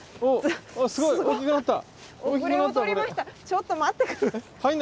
ちょっと待って下さい。